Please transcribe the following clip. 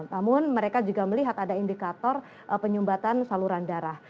namun mereka juga melihat ada indikator penyumbatan saluran darah